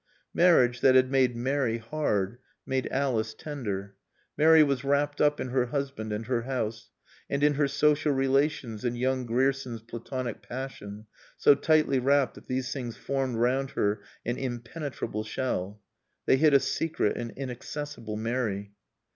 Marriage, that had made Mary hard, made Alice tender. Mary was wrapped up in her husband and her house, and in her social relations and young Grierson's Platonic passion, so tightly wrapped that these things formed round her an impenetrable shell. They hid a secret and inaccessible Mary.